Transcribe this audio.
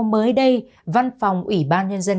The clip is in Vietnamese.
mới đây văn phòng ủy ban nhân dân